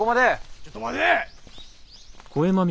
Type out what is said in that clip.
ちょっと待で！